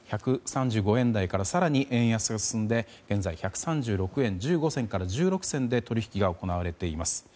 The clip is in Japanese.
１３５円台から更に円安が進んで現在１３６円１５銭から１６銭で取引が行われています。